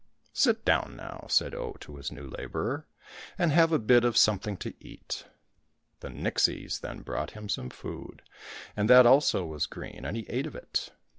" Sit down now !" said Oh to his new labourer, " and have a bit of some thing to eat." The nixies then brought him some food, and that also was green, and he ate of it.